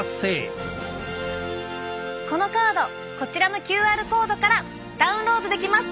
このカードこちらのＱＲコードからダウンロードできます。